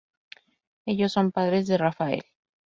Ellos son padres de Rafael.